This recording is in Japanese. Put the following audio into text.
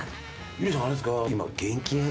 友梨さんあれですか？